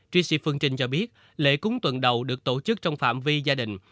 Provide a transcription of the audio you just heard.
trishy phương trình cho biết lễ cúng tuần đầu được tổ chức trong phạm vi gia đình